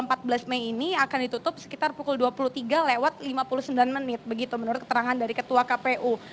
tanggal empat belas mei ini akan ditutup sekitar pukul dua puluh tiga lewat lima puluh sembilan menit begitu menurut keterangan dari ketua kpu